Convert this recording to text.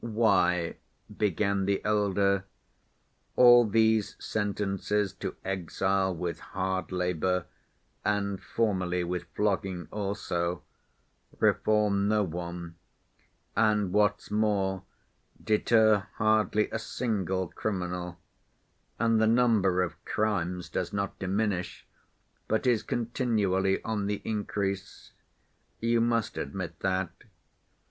"Why," began the elder, "all these sentences to exile with hard labor, and formerly with flogging also, reform no one, and what's more, deter hardly a single criminal, and the number of crimes does not diminish but is continually on the increase. You must admit that.